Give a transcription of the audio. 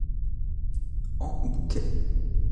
En bouquets.